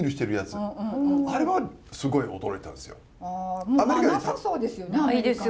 あれはすごい驚いたんですよ。